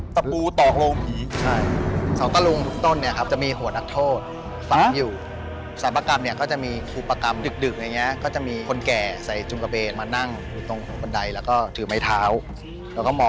ตะปูตอกโลงผีครับใช่ไหมครับ